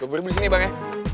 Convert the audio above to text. gue beli beli sini bang ya